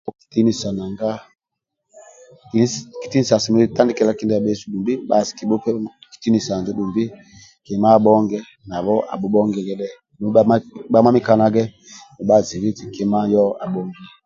Kitinisa nanga kitinisa asemelelu tandikiliai kindia bhesu dumbi bhasi kibhupe kitinisa injo dumbi kima abhonge nabho abhubhongilie dhe dumbi bhamamikanage nibha zibi eti kima yoho abhongia